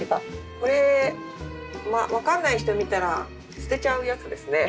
これ分かんない人見たら捨てちゃうやつですね。